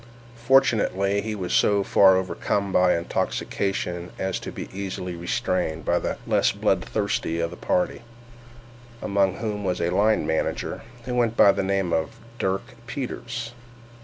Fortunately he was so far overcome by intoxication as to be easily restrained by the less bloodthirsty of the party, among whom was a line manager, who went by the name of Dirk Peters.